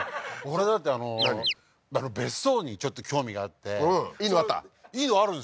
俺だって別荘にちょっと興味があってうんいいのあった？